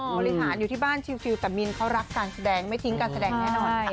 บริหารอยู่ที่บ้านชิวแต่มินเขารักการแสดงไม่ทิ้งการแสดงแน่นอนค่ะ